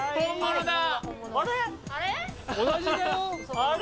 あれ？